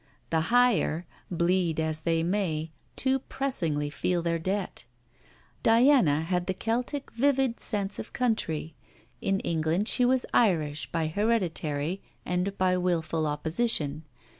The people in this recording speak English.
The higher, bleed as they may, too pressingly feel their debt. Diana had the Celtic vivid sense of country. In England she was Irish, by hereditary, and by wilful opposition.